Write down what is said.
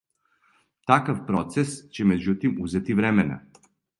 Такав процес ће међутим узети времена.